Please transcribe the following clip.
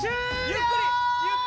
ゆっくり。